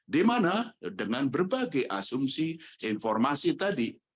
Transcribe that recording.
di mana dengan berbagai asumsi informasi tadi